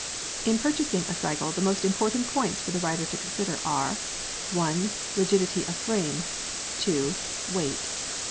p> In purchasing a cycle the most important points for the rider to consider are: 1. Rigidity of frame. 2. Weight.